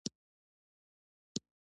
پښتانه خپلې ژبې ته ډېر وفادار ندي!